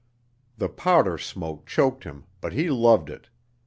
The powder smoke choked him, but he loved it.